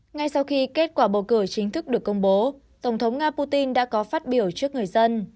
ngay sau khi kết quả bầu cử chính thức được công bố tổng thống nga putin đã có phát biểu trước người dân